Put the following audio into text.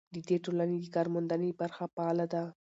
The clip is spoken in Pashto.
د دې ټولنې د کارموندنې برخه فعاله ده.